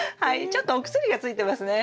ちょっとお薬がついてますね。